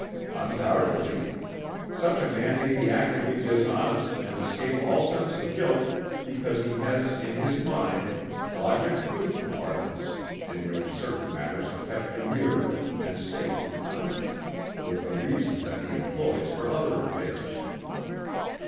"Undoubtedly. Such a man may be actively dishonest and escape all sense of guilt because he has in his mind logic proof compartments in which certain matters are kept immured and safe from conflict with the reason that he employs for other affairs.